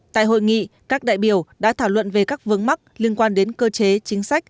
tại hội nghị các đại biểu đã thảo luận về các vướng mắc liên quan đến cơ chế chính sách